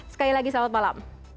sekali lagi selamat malam